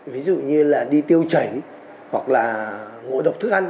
ví dụ như là đi tiêu chảy hoặc là ngộ độc thức ăn